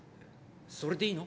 それでいいの？